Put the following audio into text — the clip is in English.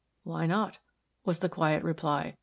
"Why not?" was the quiet reply.